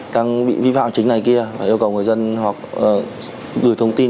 đang bị vi phạm chính này kia yêu cầu người dân hoặc gửi thông tin